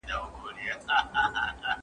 پلورونکي هڅه کوي چې خپل توکي وپلوري.